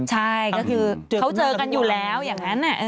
ใช่ก็คือเขาเจอกันอยู่แล้วอย่างนั้น